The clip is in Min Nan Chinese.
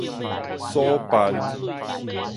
所辦